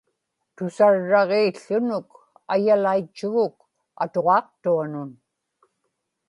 tusarraġiił̣ł̣unuk ayalaitchuguk atuġaaqtuanun